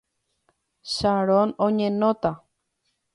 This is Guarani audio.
Sharon oñenóta.